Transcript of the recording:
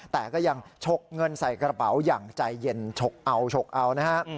แต่ก็ยังฉกเงินใส่กระเป๋าอย่างใจเย็นฉกเอาฉกเอานะฮะ